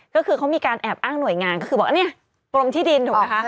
ก็คือเขามีการแอบอ้างหน่วยงานก็คือบอกอันนี้กรมที่ดินถูกไหมคะ